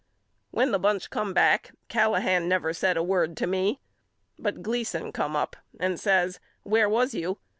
When the bunch come back Callahan never said a word to me but Gleason come up and says Where was you?